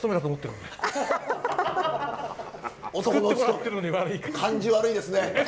感じ悪いですね。